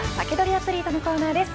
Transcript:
アツリートのコーナーです。